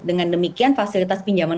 dengan demikian fasilitas pinjaman